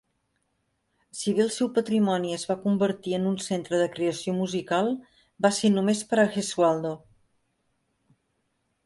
Si bé el seu patrimoni es va convertir en un centre de creació musical, va ser només per a Gesualdo.